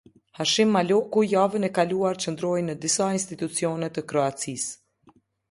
Hashim Maloku, javën e kaluar qëndroi në disa institucione të Kroacisë.